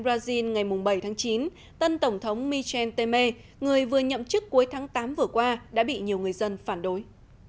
brazil ngày bảy tháng chín tân tổng thống michel temer người vừa nhậm chức cuối tháng tám vừa qua đã bị nhiều người dân phản đối